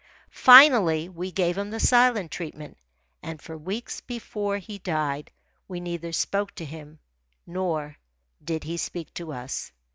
Finally we gave him the silent treatment, and for weeks before he died we neither spoke to him nor did he speak to us.